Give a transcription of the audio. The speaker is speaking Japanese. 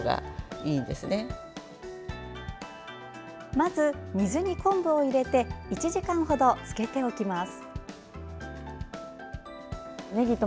まず、水に昆布を入れて１時間ほどつけておきます。